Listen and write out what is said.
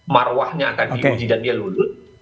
marwahnya akan diuji dan dia ludut